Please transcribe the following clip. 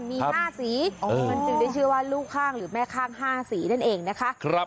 มี๕สีมันจึงได้ชื่อว่าลูกข้างหรือแม่ข้าง๕สีนั่นเองนะคะ